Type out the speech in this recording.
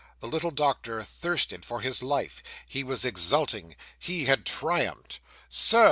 The little doctor thirsted for his life. He was exulting. He had triumphed. 'Sir!